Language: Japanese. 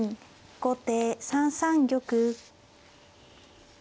後手３三玉。